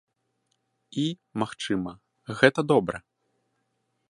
І, магчыма, гэта добра.